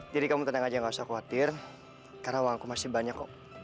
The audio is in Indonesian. jadi kamu tenang aja gak usah khawatir karena uangku masih banyak kok